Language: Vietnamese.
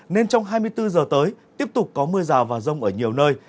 nên trong hai mươi bốn giờ tới tiếp tục có mưa rào và rông ở nhiều nơi